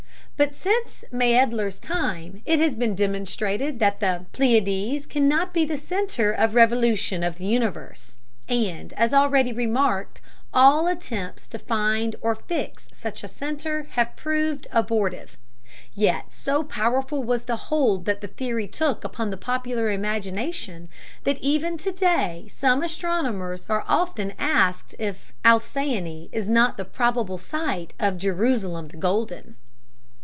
But since Maedler's time it has been demonstrated that the Pleiades cannot be the center of revolution of the universe, and, as already remarked, all attempts to find or fix such a center have proved abortive. Yet so powerful was the hold that the theory took upon the popular imagination, that even today astronomers are often asked if Alcyone is not the probable site of "Jerusalem the Golden."